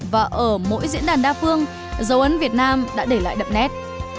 và ở mỗi diễn đàn đa phương dấu ấn việt nam đã để lại đậm nét